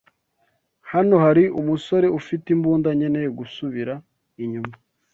Hano hari umusore ufite imbunda. Nkeneye gusubira inyuma.